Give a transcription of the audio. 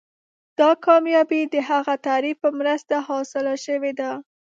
دا کامیابي د هغه تعریف په مرسته حاصله شوې ده.